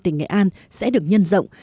tỉnh nghệ an sẽ được nhân doanh